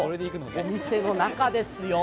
お店の中ですよ。